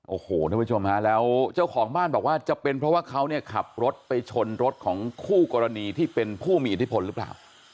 โอ้โหท่านผู้ชมฮะแล้วเจ้าของบ้านบอกว่าจะเป็นเพราะว่าเขาเนี่ยขับรถไปชนรถของคู่กรณีที่เป็นผู้มีอิทธิพลหรือเปล่า